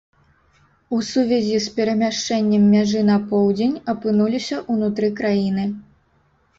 У сувязі з перамяшчэннем мяжы на поўдзень апынуліся унутры краіны.